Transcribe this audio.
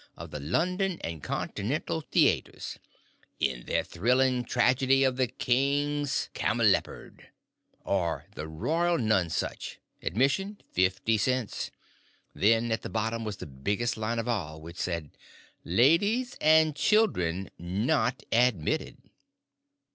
Of the London and Continental Theatres, In their Thrilling Tragedy of THE KING'S CAMELOPARD OR THE ROYAL NONESUCH!!! Admission 50 cents. Then at the bottom was the biggest line of all—which said: LADIES AND CHILDREN NOT ADMITTED.